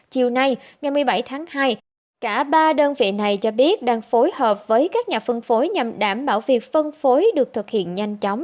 chiều nay ngày một mươi bảy tháng hai cả ba đơn vị này cho biết đang phối hợp với các nhà phân phối nhằm đảm bảo việc phân phối được thực hiện nhanh chóng